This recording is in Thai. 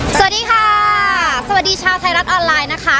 สวัสดีค่ะสวัสดีชาวไทยรัฐออนไลน์นะคะ